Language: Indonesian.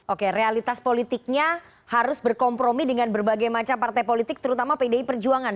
oke realitas politiknya harus berkompromi dengan berbagai macam partai politik terutama pdi perjuangan